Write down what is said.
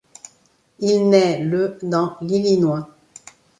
Il naît le dans l'Illinois.